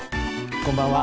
こんばんは。